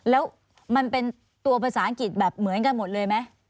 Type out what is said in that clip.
แล้วมันเป็นตัวภาษาอังกฤษแบบเหมือนกันหมดเลยไหม